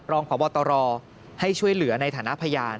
รองพบตรให้ช่วยเหลือในฐานะพยาน